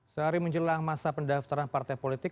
sehari menjelang masa pendaftaran partai politik